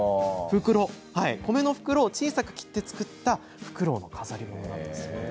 米の袋を小さく切って作ったふくろうの飾りなんです。